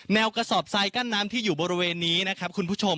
กระสอบทรายกั้นน้ำที่อยู่บริเวณนี้นะครับคุณผู้ชม